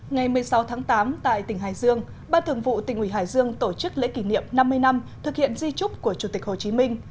ngày một mươi sáu tháng tám tại tỉnh hải dương ban thường vụ tỉnh ủy hải dương tổ chức lễ kỷ niệm năm mươi năm thực hiện di trúc của chủ tịch hồ chí minh